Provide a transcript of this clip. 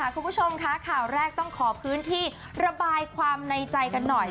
คุณผู้ชมคะข่าวแรกต้องขอพื้นที่ระบายความในใจกันหน่อย